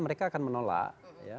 mereka akan menolak